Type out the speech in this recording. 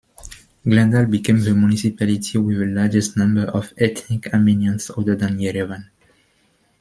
Glendale became the municipality with the largest number of ethnic Armenians other than Yerevan.